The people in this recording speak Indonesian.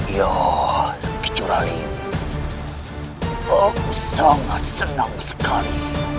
ya terkecuali aku sangat senang sekali